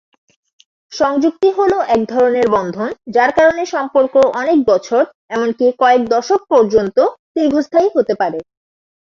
সংযুক্তি হল এক ধরনের বন্ধন যার কারণে সম্পর্ক অনেক বছর এমনকি কয়েক দশক পর্যন্ত দীর্ঘস্থায়ী হতে পারে।